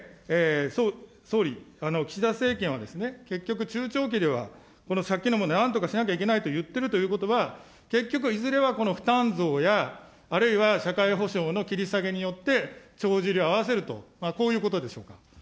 総理、岸田政権はですね、結局、中長期では、この借金の問題、なんとかしなきゃいけないといっているということは、結局、いずれはこの負担増や、あるいは社会保障の切り下げによって、帳尻を合わせると、こういうことでしょうか。